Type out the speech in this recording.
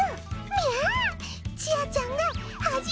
みゃあ！